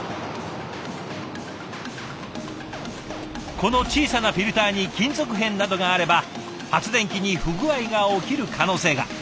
この小さなフィルターに金属片などがあれば発電機に不具合が起きる可能性が。